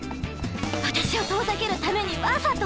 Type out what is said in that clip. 私を遠ざけるためにわざと。